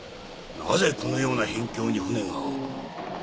なぜこのような辺境に船が。